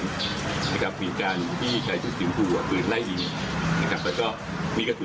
แล้วก็มีกระทุนตกอยู่ในภรรณที่เกิดเหตุ